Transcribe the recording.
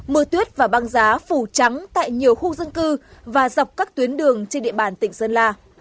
mưa tuyết và băng giá phủ trắng tại nhiều khu dân cư và dọc các tuyến đường trên địa bàn tỉnh sơn la